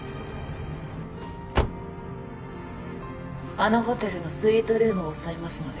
あのホテルのスイートルームを押さえますので